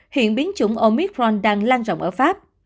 hiện biến chủng omicron đang lan rộng ở pháp